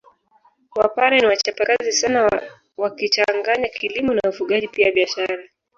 Wapare ni wachapakazi sana wakichanganya kilimo na ufugaji pia biashara